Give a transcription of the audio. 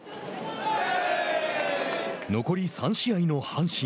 残り３試合の阪神。